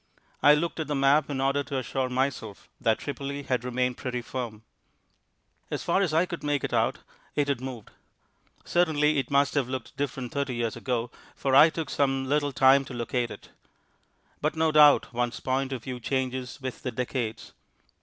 I looked at the map in order to assure myself that Tripoli had remained pretty firm. As far as I could make it out it had moved. Certainly it must have looked different thirty years ago, for I took some little time to locate it. But no doubt one's point of view changes with the decades.